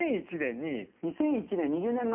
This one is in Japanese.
中居：２００１年、２０年前？